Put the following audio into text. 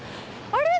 あれ？